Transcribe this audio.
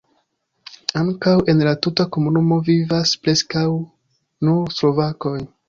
Ankaŭ en la tuta komunumo vivas preskaŭ nur slovakoj.